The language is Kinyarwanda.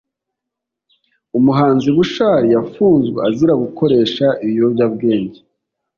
Umuhanzi bushali yafunzwe azira gukoresha ibiyobyabwenge